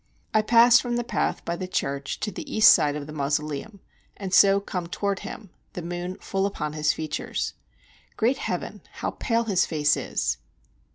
I pass from the path by the church to the east side of the mausoleum, and so come toward him, the moon full upon his features. Great heaven! how pale his face is!